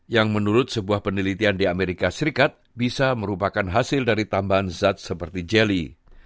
yang menurut sebuah penelitian di amerika serikat bisa merupakan hasil dari tambahan zat seperti jeli